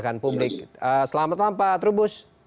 akan publik selamat malam pak trubus